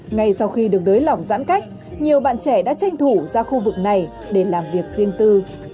ngay sau khi được đới lỏng giãn cách nhiều bạn trẻ đã tranh thủ ra khu vực này để làm việc riêng tư